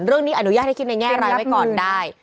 เรื่องนี้อนุญาตให้คิดในแง่รายไว้ก่อนได้